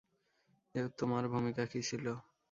তোমার ভূমিকা কী ছিল?